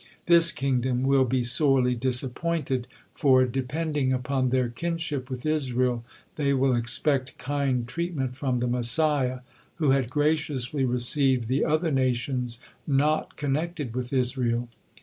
This kingdom will be sorely disappointed, for, depending upon their kinship with Israel, they will expect kind treatment from the Messiah, who had graciously received the other nations not connected with Israel.